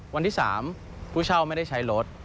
วันที่๓ผู้เช่าไม่ได้ใช้รถ